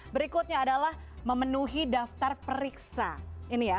berikutnya adalah memenuhi daftar periksa ini ya